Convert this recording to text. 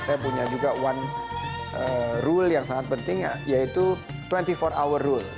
saya punya juga one rule yang sangat penting yaitu dua puluh empat our rule